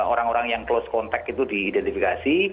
orang orang yang close contact itu diidentifikasi